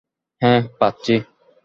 হ্যাঁ, পাচ্ছি।